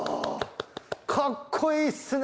かっこいいっすね！